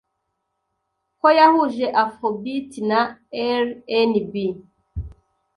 ko yahuje Afrobeat na RnB